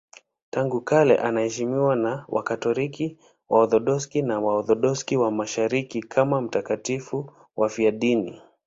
Tangu kale wanaheshimiwa na Wakatoliki, Waorthodoksi na Waorthodoksi wa Mashariki kama watakatifu wafiadini.